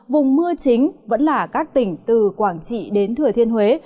vùng mưa chính vẫn là các tỉnh từ quảng trị đến thừa thiên huế